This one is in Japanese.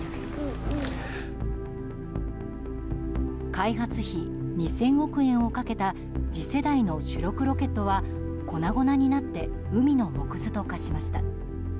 開発費２０００億円をかけた次世代の主力ロケットは粉々になって海の藻くずと化しました。